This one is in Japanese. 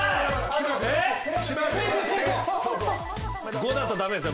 ５だと駄目ですよ。